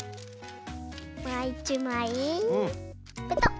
もう１まいペトッ。